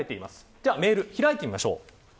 では、メール開いてみましょう。